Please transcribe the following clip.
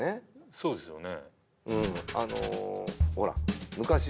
そうですよね